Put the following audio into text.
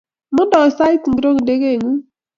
Mandoi sait ngiro ndegengung?